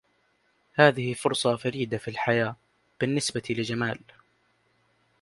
هذه فرصة فريدة في الحياة بالنسبة لجمال.